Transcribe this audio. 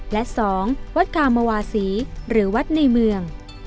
และ๒วัดคามวาศีหรือวัดในเมือง